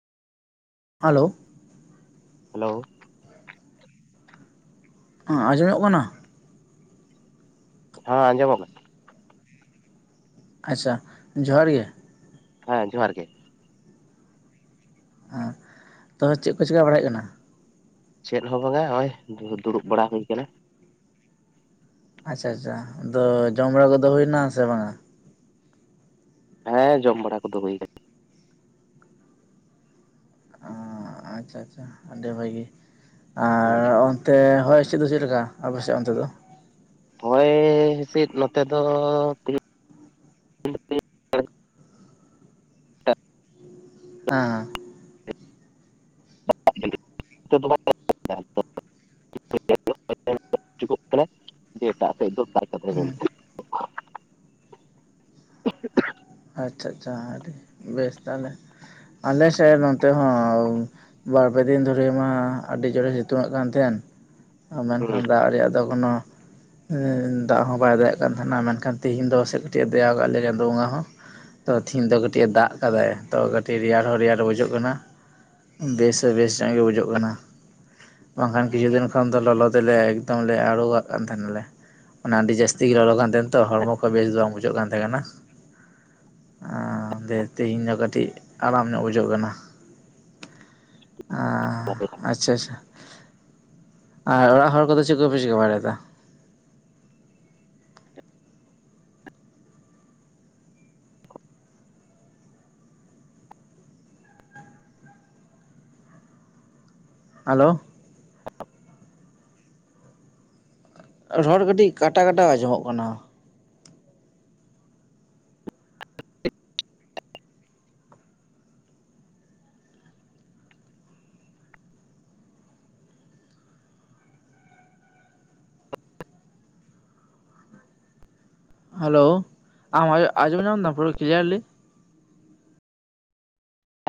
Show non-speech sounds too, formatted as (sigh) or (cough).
Hello hello ᱟᱸᱡᱚᱢᱚᱜ ᱠᱟᱱᱟ ᱦᱮᱸ ᱟᱸᱡᱚᱢ ᱮᱱᱟ ᱟᱪᱪᱷᱟ ᱡᱚᱦᱟᱨ ᱜᱮ ᱦᱮᱸ ᱡᱚᱦᱟᱨ ᱜᱮ ᱦᱮᱸ ᱛᱟᱦᱞᱮ ᱪᱮᱫ ᱠᱚ ᱪᱮᱠᱟ ᱵᱟᱲᱟᱭ ᱦᱩᱭᱩᱜ ᱠᱟᱱᱟ ᱪᱮᱫ ᱦᱚᱸ ᱵᱟᱝᱟ ᱱᱚᱜᱚᱭ ᱫᱩᱲᱩᱵ ᱵᱟᱲᱟ ᱦᱩᱭ ᱠᱟᱱᱟ ᱟᱪᱪᱷᱟ ᱟᱪᱪᱷᱟ ᱟᱫᱚ ᱡᱚᱢ ᱵᱟᱲᱟ ᱠᱚᱫᱚ ᱦᱩᱭᱱᱟ ᱥᱮ ᱵᱟᱝᱟ ᱦᱮᱸ ᱡᱚᱢ ᱵᱟᱲᱟ ᱠᱚᱫᱚ ᱦᱩᱭ ᱠᱟᱱᱟ ᱟᱪᱪᱷᱟ ᱟᱪᱪᱷᱟ ᱟᱹᱰᱤ ᱵᱷᱟᱹᱜᱤ ᱦᱩᱸ ᱟᱨ ᱮᱚᱱᱛᱮ ᱦᱚᱭ ᱦᱤᱥᱤᱫ ᱫᱚ ᱪᱮᱫ ᱞᱮᱠᱟ ᱟᱯᱮᱥᱮᱫ ᱚᱱᱛᱮ ᱫᱚ ᱦᱚᱭ ᱦᱤᱸᱥᱤᱫ ᱱᱚᱛᱮ ᱫᱚ (inaudible) ᱦᱮᱸ (unintelligible) (unintelligible) ᱮᱴᱟᱜ ᱥᱮᱫ ᱫᱚ ᱠᱟᱫᱟᱭ ᱦᱩᱸ, ᱜᱚᱝᱠᱮ ᱟᱪᱪᱷᱟ ᱟᱪᱪᱷᱟ ᱟᱹᱰᱤ ᱵᱮᱥ ᱛᱟᱦᱞᱮ ᱟᱞᱮᱥᱮᱫ ᱱᱚᱛᱮ ᱦᱚᱸ ᱵᱟᱨᱯᱮ ᱫᱤᱱ ᱫᱷᱚᱨᱮ ᱢᱟ ᱟᱹᱰᱤ ᱡᱳᱨᱮ ᱥᱤᱛᱩᱝᱜ ᱠᱟᱱ ᱛᱟᱦᱮᱱ ᱢᱮᱱᱠᱷᱟᱱ ᱦᱩᱸ ᱫᱟᱜ ᱨᱮᱭᱟᱜ ᱫᱚ ᱠᱚᱱᱚ ᱫᱟᱜ ᱦᱚᱸ ᱵᱟᱭ ᱫᱟᱜᱮᱜ ᱠᱟᱱ ᱛᱟᱦᱮᱱᱟ ᱢᱮᱱᱠᱷᱟᱱ ᱛᱤᱦᱤᱧ ᱫᱚ ᱥᱮᱫ ᱠᱟᱹᱴᱤᱡ ᱮ ᱫᱮᱭᱟ ᱠᱟᱫ ᱞᱮᱭᱟ ᱪᱟᱸᱫᱳ ᱵᱚᱸᱜᱟ ᱦᱚᱸ ᱛᱚ ᱛᱤᱦᱤᱧ ᱫᱚ ᱠᱟᱹᱴᱤᱡ ᱮ ᱫᱟᱜ ᱠᱟᱫᱟᱭ ᱛᱚ ᱠᱟᱹᱴᱤᱡ ᱨᱮᱭᱟᱲ ᱦᱚᱸ ᱨᱮᱭᱟᱲ ᱵᱩᱡᱟᱹᱜ ᱠᱟᱱᱟ ᱵᱮᱥ ᱦᱚᱸᱵᱮᱥ ᱧᱚᱜ ᱜᱮ ᱵᱩᱡᱟᱹᱜ ᱠᱟᱱᱟ ᱵᱟᱝᱠᱷᱟᱱ ᱠᱤᱪᱷᱩ ᱫᱤᱱ ᱠᱷᱚᱱ ᱫᱚ ᱞᱚᱞᱚ ᱛᱮᱞᱮ ᱮᱠᱫᱚᱢ ᱞᱮ ᱟᱲᱳᱣᱟᱜ ᱠᱟᱱ ᱛᱟᱦᱮᱱᱟᱞᱮ ᱢᱟᱱᱮ ᱟᱹᱰᱤ ᱡᱟᱹᱥᱛᱤ ᱜᱮ ᱞᱚᱞᱚ ᱠᱟᱱ ᱛᱟᱦᱮᱱ ᱛᱚ ᱦᱚᱲᱢᱚ ᱠᱚ ᱵᱮᱥ ᱵᱟᱝ ᱵᱩᱡᱷᱟᱹᱜ ᱠᱟᱱ ᱛᱟᱦᱮᱸ ᱠᱟᱱᱟ ᱛᱮᱦᱤᱧ ᱫᱚ ᱠᱟᱹᱴᱤᱡ ᱟᱨᱟᱢ ᱧᱚᱜ ᱵᱩᱡᱷᱟᱹᱜ ᱠᱟᱱᱟ ᱟ ᱟᱪᱪᱷᱟ ᱟᱪᱪᱷᱟ ᱟᱨ ᱚᱲᱟᱜ ᱦᱚᱲ ᱠᱚᱫᱚ ᱪᱮᱫ ᱠᱚᱯᱮ ᱪᱤᱠᱮᱟᱹ ᱵᱟᱲᱟᱭᱮᱫᱟ ᱦᱟᱞᱳ ᱨᱚᱲ ᱠᱟᱹᱴᱤᱡ ᱠᱟᱴᱟ ᱠᱟᱴᱟ ᱟᱸᱡᱚᱢᱚᱜ ᱠᱟᱱᱟ᱾ ᱦᱮᱞᱳ ᱟᱢ ᱟᱡᱸᱡᱚᱢ ᱧᱟᱢ ᱮᱟᱢ ᱯᱩᱨᱟᱹ ᱠᱞᱤᱭᱟᱨᱞᱤ